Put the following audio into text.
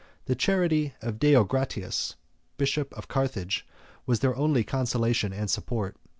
The charity of Deogratias, bishop of Carthage, 10 was their only consolation and support.